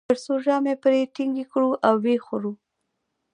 تر څو ژامې پرې ټینګې کړو او و یې خورو.